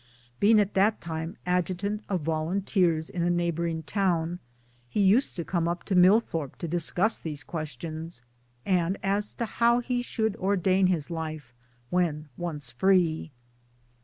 Being at the time Adjutant of Volun teers in a neighboring town, he used to come up to Millthorpe to discuss these questions and as to how he should ordain his life when once free.